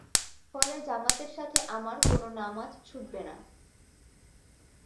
ফলে জামাতের সাথে আমার কোন নামায ছুটবে না।